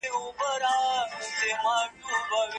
دی د یوې ارماني او نېکمرغه ټولني په لټه کي و.